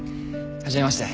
初めまして。